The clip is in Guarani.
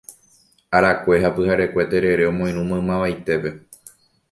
arakue ha pyharekue terere omoirũ maymavaitépe.